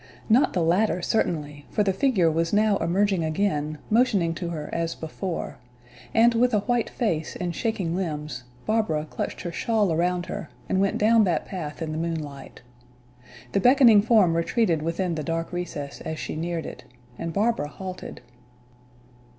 Not the latter, certainly, for the figure was now emerging again, motioning to her as before; and with a white face and shaking limbs, Barbara clutched her shawl around her and went down that path in the moonlight. The beckoning form retreated within the dark recess as she neared it, and Barbara halted.